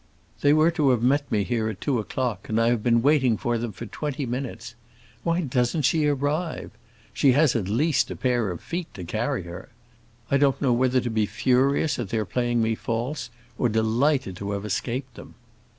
They were to have met me here at two o'clock, and I have been waiting for them twenty minutes. Why doesn't she arrive? She has at least a pair of feet to carry her. I don't know whether to be furious at their playing me false, or delighted to have escaped them."